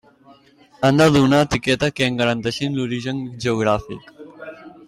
Han de dur una etiqueta que en garanteixi l'origen geogràfic.